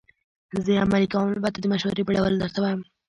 زه یې عملي کوم، البته د مشورې په ډول درته وایم.